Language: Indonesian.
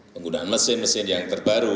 penggunaan mesin mesin yang terbaru